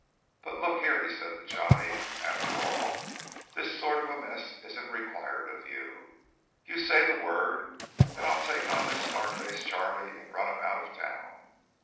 "But look here," he said to Johnny, "after all, this sort of a mess isn't required of you. You say the word and I'll take on this Scar face Charley and run him out of town.